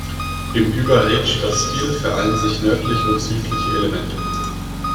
Im Überetscher Stil vereinen sich nördliche und südliche Elemente.